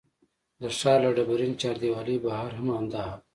د ښار له ډبرین چاردیوالۍ بهر هم همدا حال و.